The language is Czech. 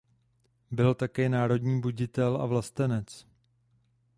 Byl také národní buditel a vlastenec.